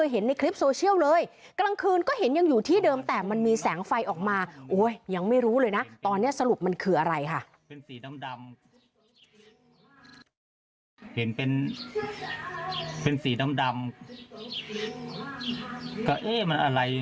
เห็นเป็นสีดำก็เอ๊ะมันอะไร